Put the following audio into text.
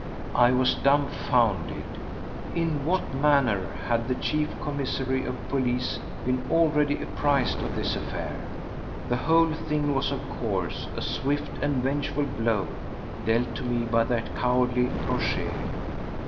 I was dumbfounded. In what manner had the Chief Commissary of Police been already apprised of this affair? The whole thing was, of course, a swift and vengeful blow dealt to me by that cowardly Rochez.